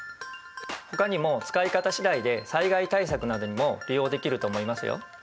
ほかにも使い方次第で災害対策などにも利用できると思いますよ。